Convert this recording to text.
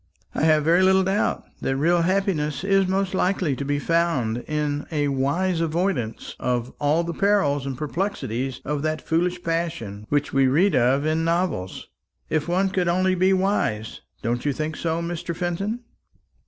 I have very little doubt that real happiness is most likely to be found in a wise avoidance of all the perils and perplexities of that foolish passion which we read of in novels, if one could only be wise; don't you think so, Mr. Fenton?"